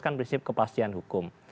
kan prinsip kepastian hukum